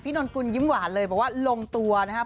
นนกุลยิ้มหวานเลยบอกว่าลงตัวนะครับ